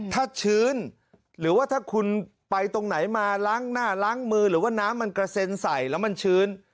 ถ้าชื้นหรือว่าถ้าคุณไปตรงไหนมาล้างหน้าล้างมือหรือว่าน้ำมันกระเซ็นใส่แล้วมันชื้น